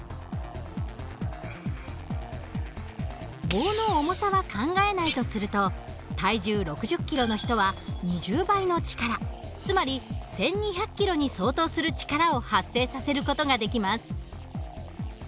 棒の重さは考えないとすると体重６０キロの人は２０倍の力つまり１，２００キロに相当する力を発生させる事ができます。